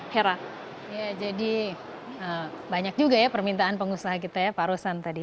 hera ya jadi banyak juga ya permintaan pengusaha kita ya pak rosan tadi